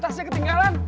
itu tasnya ketinggalan